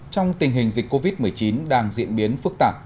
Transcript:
trong tình hình dịch covid một mươi chín đang diễn biến phức tạp